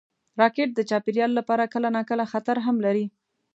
راکټ د چاپېریال لپاره کله ناکله خطر هم لري